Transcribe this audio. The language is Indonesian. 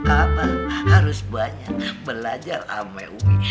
abah harus banyak belajar sama umi